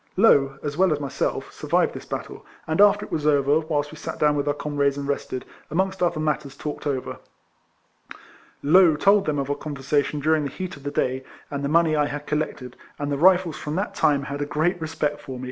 Low, as well as myself, survived this battle, and after it was over, whilst we sat down wjth our comrades and rested, amongst other matters talked over. Low told them of our conversation during the heat of the day, and the money I had collected, and the Rifles from that time had a great respect for me.